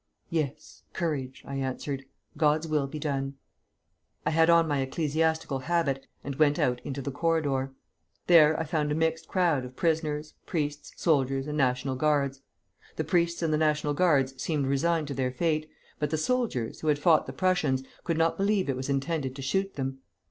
'Yes, courage!' I answered. 'God's will be done.' I had on my ecclesiastical habit, and went out into the corridor. There I found a mixed crowd of prisoners, priests, soldiers, and National Guards. The priests and the National Guards seemed resigned to their fate, but the soldiers, who had fought the Prussians, could not believe it was intended to shoot them.